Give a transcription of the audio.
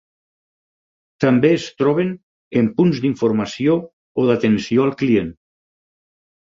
També es troben en punts d'informació o d'atenció al client.